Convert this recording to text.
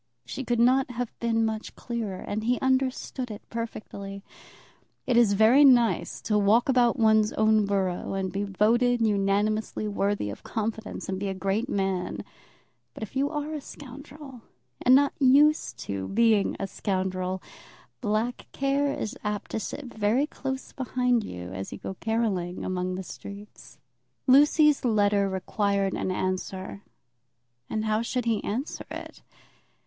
She could not have been much clearer, and he understood it perfectly. It is very nice to walk about one's own borough and be voted unanimously worthy of confidence, and be a great man; but if you are a scoundrel, and not used to being a scoundrel, black care is apt to sit very close behind you as you go caracoling along the streets. Lucy's letter required an answer, and how should he answer it?